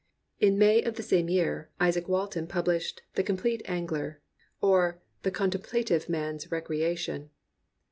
In May of the same year, Izaak Walton pubUshed The Compleat Angler, or the Contemplative Mans Recreation.